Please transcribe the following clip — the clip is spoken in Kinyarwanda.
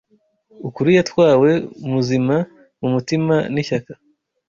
ukuri yatwawe muzima mumutima nishyaka"